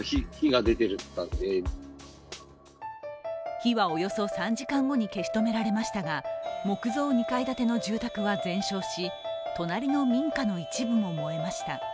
火はおよそ３時間後に消し止められましたが木造２階建ての住宅は全焼し、隣の民家の一部も燃えました。